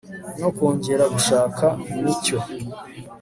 no kongera gushaka ni cyo